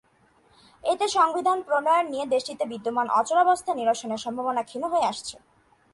এতে সংবিধান প্রণয়ন নিয়ে দেশটিতে বিদ্যমান অচলাবস্থা নিরসনের সম্ভাবনা ক্ষীণ হয়ে আসছে।